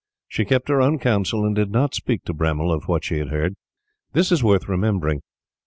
She kept her own counsel, and did not speak to Bremmil of what she had heard. This is worth remembering.